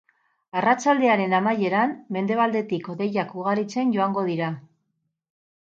Arratsaldearen amaieran mendebaldetik hodeiak ugaritzen joango dira.